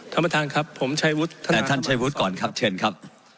ท่านประธานครับผมชายวุฒิท่านท่านชายวุฒิก่อนครับเชิญครับ